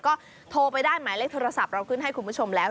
ก็โทรไปได้หมายเลขโทรศัพท์เราขึ้นให้คุณผู้ชมแล้ว